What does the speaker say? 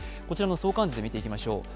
こちらの相関図で見ていきましょう。